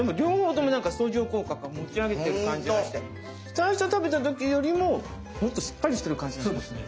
最初食べた時よりももっとしっかりしてる感じがしますね。